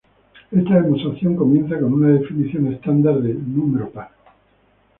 Esta demostración comienza con una definición estándar de "número par".